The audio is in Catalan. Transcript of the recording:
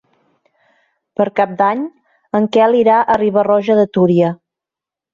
Per Cap d'Any en Quel irà a Riba-roja de Túria.